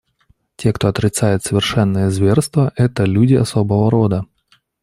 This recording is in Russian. Те, кто отрицает совершенные зверства, — это люди особого рода.